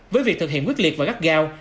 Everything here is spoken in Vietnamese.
với việc thực hiện quyết liệt và gắt gao